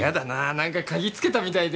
何か嗅ぎつけたみたいで。